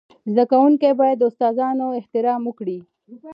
زده کوونکي باید د استادانو احترام وکړي.